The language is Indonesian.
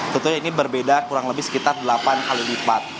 tentunya ini berbeda kurang lebih sekitar delapan kali lipat